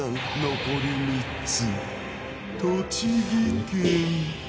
残り３つ